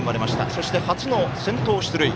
そして、初の先頭出塁。